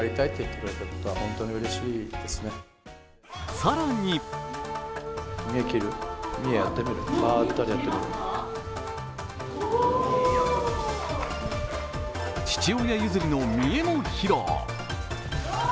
更に父親譲りの見得も披露。